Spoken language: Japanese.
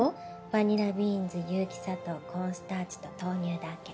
バニラビーンズ有機砂糖コーンスターチと豆乳だけ。